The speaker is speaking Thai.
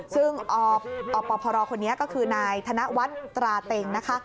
ซึ่งอปพรคนนี้ก็คือนายธนวัฒน์ตราเต็งนะคะ